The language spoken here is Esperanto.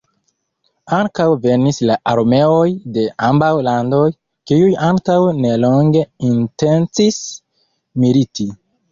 Ankaŭ venis la armeoj de ambaŭ landoj, kiuj antaŭ nelonge intencis militi.